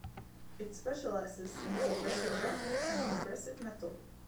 It specializes in progressive rock and progressive metal.